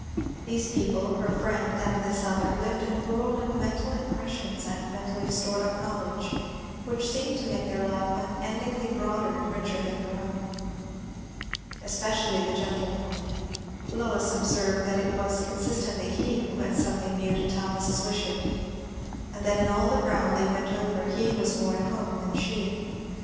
These people, her friend and this other, lived in a world of mental impressions and mentally stored up knowledge, which seemed to make their life unendingly broader and richer than her own. Especially the gentleman. Lois observed that it was constantly he who had something new to tell Mrs. Wishart, and that in all the ground they went over, he was more at home than she.